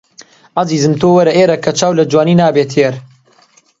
عەزیزم تۆ وەرە ئێرە کە چاو لە جوانی نابێ تێر